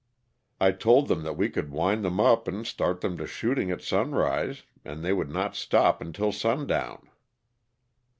I told them that we could wind them up and start them to shooting at sunrise and they would not stop until sundown.